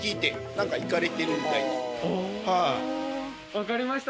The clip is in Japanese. わかりました。